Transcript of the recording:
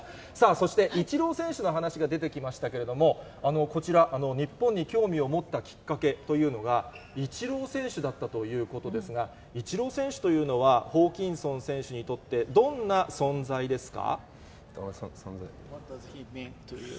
そして、イチロー選手の話が出てきましたけれども、こちら、日本に興味を持ったきっかけというのが、イチロー選手だったということですが、イチロー選手というのは、ホーキンソン選手にとってどんな存在ですか。